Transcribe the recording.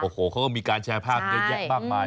เขาก็มีการแชร์ภาพใหญ่มากมาย